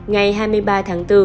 ngày hai mươi ba tháng bốn